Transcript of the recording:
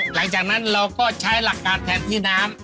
หลังจากนั้นเราก็ใช้หลักการแทนที่น้ำ